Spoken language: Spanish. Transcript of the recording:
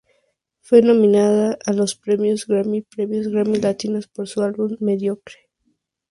Fue nominada a los Premios Grammy y Premios Grammy Latinos por su álbum "Mediocre".